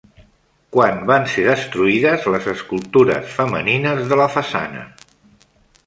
Quan van ser destruïdes les escultures femenines de la façana?